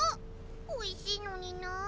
おいしいのになあ。